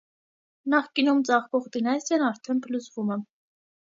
Նախկինում ծաղկող դինաստիան արդեն փլուզվում է։